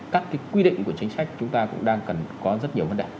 các cái quy định của chính sách chúng ta cũng đang cần có rất nhiều vấn đề